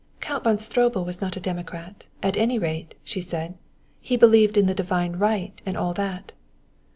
"Count von Stroebel was not a democrat, at any rate," she said. "He believed in the divine right and all that."